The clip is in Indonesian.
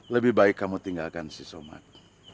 lebih baik kamu tinggalkan si somad